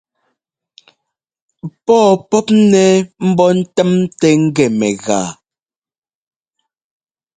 Pɔ̂ɔ pɔ́pnɛ ḿbó ńtɛ́mtɛ ngɛ mɛgaa.